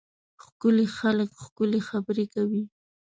ښکلي خلک ښکلې خبرې کوي.